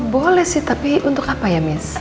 boleh sih tapi untuk apa ya mas